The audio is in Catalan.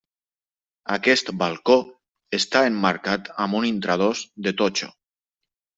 Aquest balcó està emmarcat amb un intradós de totxo.